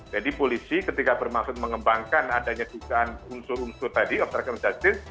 polisi ketika bermaksud mengembangkan adanya dugaan unsur unsur tadi obstruction of justice